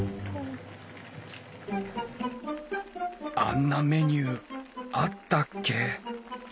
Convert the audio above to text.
あんなメニューあったっけ？